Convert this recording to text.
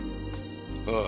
ああ。